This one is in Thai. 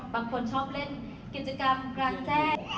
บางคนชอบเล่นกิจกรรมกลางแจ้ง